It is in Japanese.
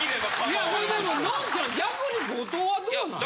いやこれでものんちゃん逆に後藤はどうなんよ？